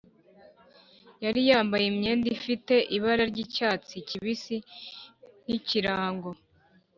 yari yambaye imyenda ifite ibara ry’icyatsi kibisi nk’ikirango